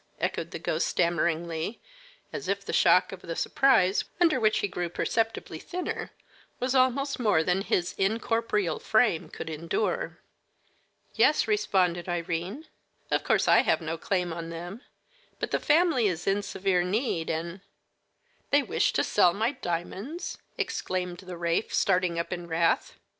echoed the ghost stammeringly, as if the shock of the surprise, under which he grew perceptibly thinner, was almost more than his incorporeal frame could endure. "Yes," responded Irene. "Of course I have no claim on them, but the family is in severe need, and " "They wish to sell my diamonds!" exclaimed the wraith, starting up in wrath.